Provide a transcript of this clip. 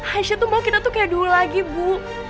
hash tuh mau kita tuh kayak dulu lagi bu